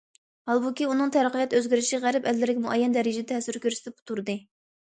ھالبۇكى ئۇنىڭ تەرەققىيات ئۆزگىرىشى غەرب ئەللىرىگە مۇئەييەن دەرىجىدە تەسىر كۆرسىتىپ تۇردى.